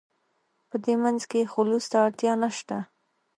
په دې منځ کې خلوص ته اړتیا نشته.